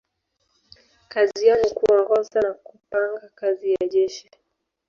Kazi yao ni kuongoza na kupanga kazi ya jeshi.